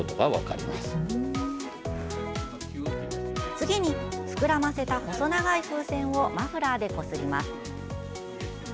次に膨らませた細長い風船をマフラーでこすります。